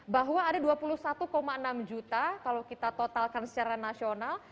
bahwa ada dua puluh satu enam juta kalau kita totalkan secara nasional